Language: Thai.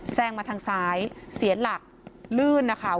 แซงมาทางซ้ายเสียหลักลื่นนะคะ